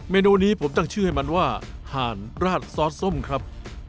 เมนูนี้ผมตั้งชื่อให้มันว่าห่านราดซอสส้มครับ